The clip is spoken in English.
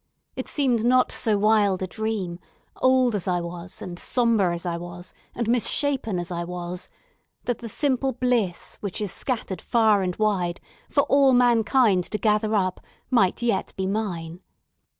It seemed not so wild a dream—old as I was, and sombre as I was, and misshapen as I was—that the simple bliss, which is scattered far and wide, for all mankind to gather up, might yet be mine.